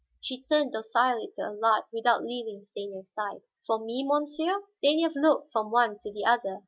She turned docilely to Allard, without leaving Stanief's side. "For me, monsieur?" Stanief looked from one to the other.